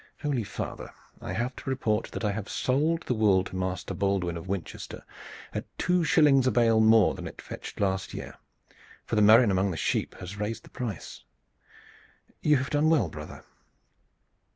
"Holy father, I have to report that I have sold the wool to Master Baldwin of Winchester at two shillings a bale more than it fetched last year, for the murrain among the sheep has raised the price." "You have done well, brother."